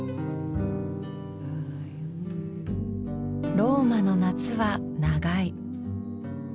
ローマの夏は長い。